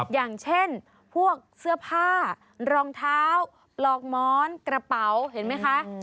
อย่างเช่นพวกเสื้อผ้ารองเท้าปลอกม้อนกระเป๋าเห็นไหมคะ